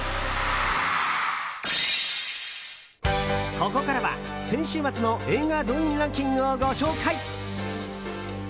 ここからは先週末の映画動員ランキングをご紹介。